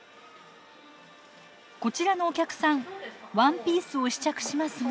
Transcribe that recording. こちらのお客さんワンピースを試着しますが。